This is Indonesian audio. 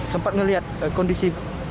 sempat melihat kondisi